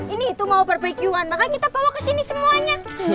ini itu mau barbequean makanya kita bawa kesini semuanya